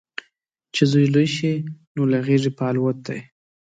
چې زوی لوی شي، نو له غیږې په الوت دی